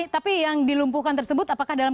tapi yang dilumpuhkan tersebut apakah dalam